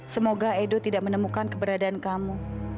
semoga edo tidak menemukan keberadaan kamu